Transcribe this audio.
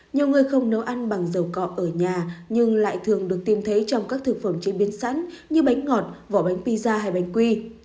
nhiều người không nấu ăn bằng dầu cọ ở nhà nhưng lại thường được tìm thấy trong các thực phẩm chế biến sẵn như bánh ngọt vỏ bánh pizza hay bánh quy